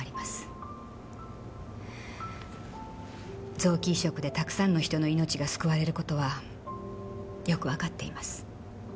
臓器移植でたくさんの人の命が救われる事はよくわかっています。